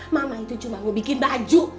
mama itu cuma mau bikin baju